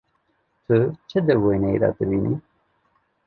Tu çi di wêneyê de dibînî?